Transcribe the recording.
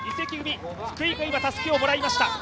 福居が今、たすきをもらいました。